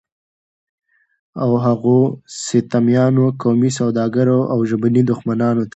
او هغو ستمیانو، قومي سوداګرو او ژبني دښمنانو ته